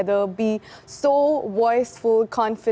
berbicara dengan sangat suaranya